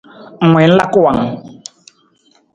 Ng wii ng laka wang ?